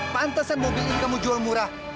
pantasan mobil ini kamu jual murah